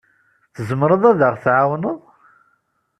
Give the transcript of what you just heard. Tzemreḍ ad aɣ-tɛawneḍ?